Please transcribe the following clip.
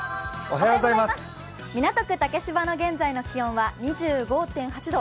港区竹芝の現在の気温は２５．８度。